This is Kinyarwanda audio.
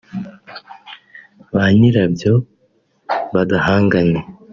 banyirabyo badahanganye